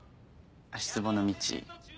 足つぼの道？